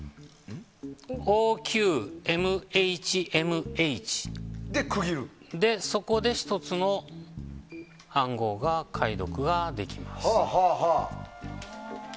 ＯＱＭＨＭＨで１つの暗号が解読ができます。